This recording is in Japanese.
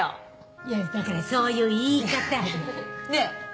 いやだからそういう言い方。ねぇ！